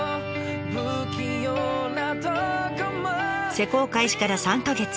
施工開始から３か月。